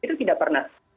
itu tidak pernah